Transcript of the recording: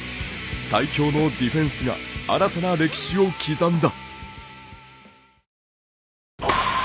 最強のディフェンスが新たな歴史を刻んだ。